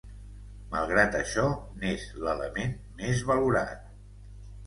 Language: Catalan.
Malgrat això, n'és l'element més valorat.